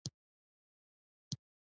قلم د زړه آواز دی